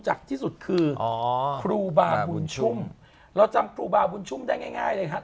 ที่สุดคือครูบาบุญชุ่มเราจำครูบาบุญชุ่มได้ง่ายเลยครับ